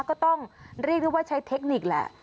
ก็ต้องเรียกได้ว่าใช้เทคนิคแหละ